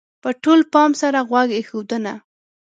-په ټول پام سره غوږ ایښودنه: